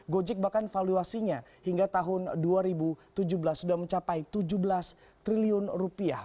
gojek bahkan valuasinya hingga tahun dua ribu tujuh belas sudah mencapai tujuh belas triliun rupiah